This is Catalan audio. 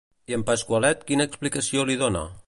I en Pasqualet quina explicació li dona?